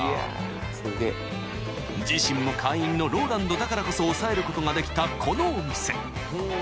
［自身も会員のＲＯＬＡＮＤだからこそ押さえることができたこのお店］